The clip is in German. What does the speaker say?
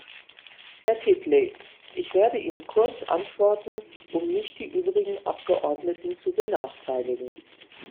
Herr Titley, ich werde Ihnen kurz antworten, um nicht die übrigen Abgeordneten zu benachteiligen.